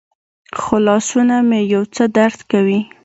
خو لاسونه مې یو څه درد کوي.